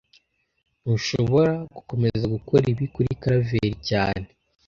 Ntushobora gukomeza gukora ibi kuri Karaveri cyane